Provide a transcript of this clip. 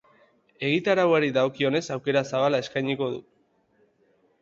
Egitarauari dagokionez, aukera zabala eskainiko du.